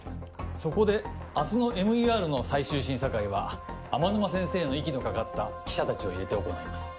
そこで明日のＭＥＲの最終審査会は天沼先生の息のかかった記者達を入れて行います